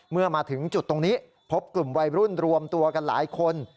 เมื่อมาถึงจุดตรงนี้พบกลุ่มวัยรุ่นรวมตัวกันหลายคน